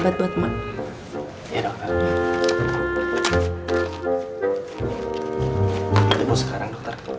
iya buat sekarang